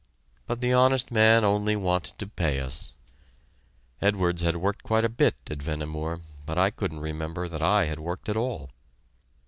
But the honest man only wanted to pay us. Edwards had worked quite a bit at Vehnemoor, but I couldn't remember that I had worked at all.